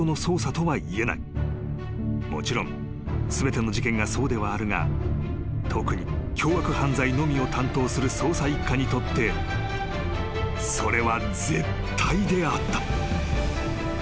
［もちろん全ての事件がそうではあるが特に凶悪犯罪のみを担当する捜査１課にとってそれは絶対であった］